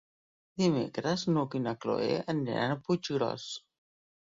Dimecres n'Hug i na Cloè aniran a Puiggròs.